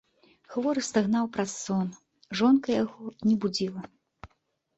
Хворы стагнаў праз сон, жонка яго не будзіла.